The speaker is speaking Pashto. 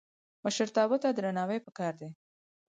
مشرتابه ته درناوی پکار دی